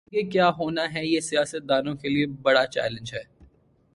آگے کیا ہوناہے یہ سیاست دانوں کے لئے بڑا چیلنج ہے۔